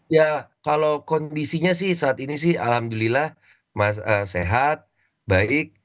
ya kalau kondisinya sih saat ini sih alhamdulillah sehat baik